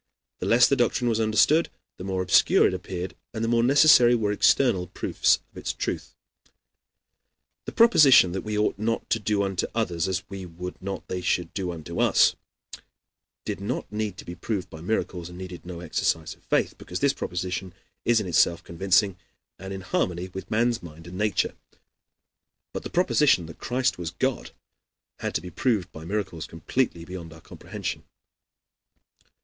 The less the doctrine was understood, the more obscure it appeared and the more necessary were external proofs of its truth. The proposition that we ought not to do unto others as we would not they should do unto us, did not need to be proved by miracles and needed no exercise of faith, because this proposition is in itself convincing and in harmony with man's mind and nature; but the proposition that Christ was God had to be proved by miracles completely beyond our comprehension.